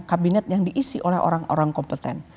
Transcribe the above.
kabinet yang diisi oleh orang orang kompeten